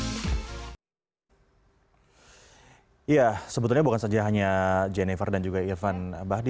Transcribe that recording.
bagaimana kabar dari keluarga bahdim yang sejak awal musim liga satu indonesia ini menetap di bali